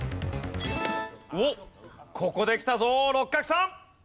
おっここできたぞ六角さん。